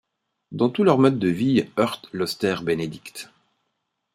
Tout dans leur mode de vie heurte l’austère Bénédicte.